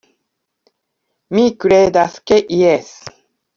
Mi kredas ke jes.